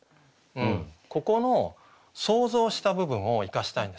ここの想像した部分を生かしたいんですよ。